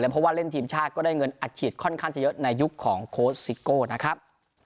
เพราะว่าเล่นทีมชาติก็ได้เงินอัดฉีดค่อนข้างจะเยอะในยุคของโค้ชซิโก้นะครับ